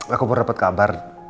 aku baru dapet kabar